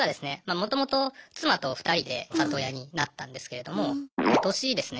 もともと妻と２人で里親になったんですけれども今年ですね